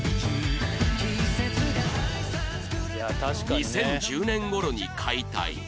２０１０年頃に解体